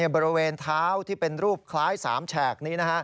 บริเวณเท้าที่เป็นรูปคล้าย๓แฉกนี้